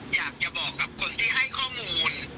อยากจะบอกกับคนที่ให้ข้อมูล